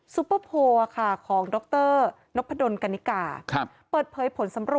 ซุปเปอร์โพลของดรนกพะดนกัณิกา